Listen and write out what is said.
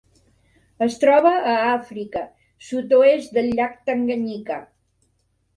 Es troba a Àfrica: sud-oest del llac Tanganyika.